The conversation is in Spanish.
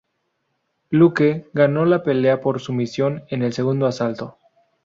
Luque ganó la pelea por sumisión en el segundo asalto.